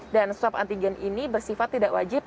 dan swab antigen ini bersifat tidak wajib